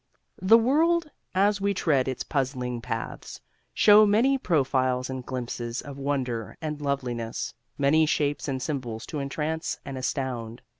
The world, as we tread its puzzling paths, shows many profiles and glimpses of wonder and loveliness; many shapes and symbols to entrance and astound.